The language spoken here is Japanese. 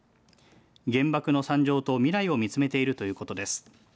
原爆の惨状と未来を見つめているということです。